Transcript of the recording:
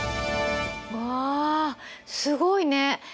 わすごいね！